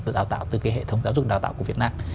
và đào tạo từ cái hệ thống giáo dục đào tạo của việt nam